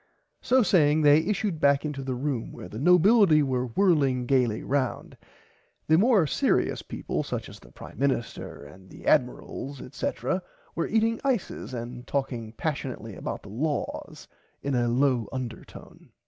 So saying they issued back to the big room where the nobility were whirling gaily roand the more searious peaple such as the prime minister and the admirals etc were eating ices and talking passionately about the laws in a low undertone.